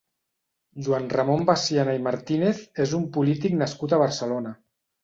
Joan Ramon Veciana i Martínez és un polític nascut a Barcelona.